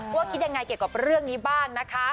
ว่าคิดยังไงเกี่ยวกับเรื่องนี้บ้างนะคะ